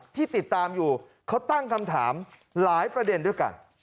ที่ติดตามอยู่เขาตั้งคำถามหลายประเด็นด้วยกัน